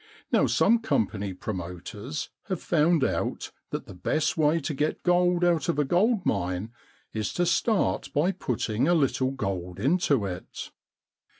Now some company promoters have found out that the best way to get gold out of a gold mine is to start by putting a little gold into it.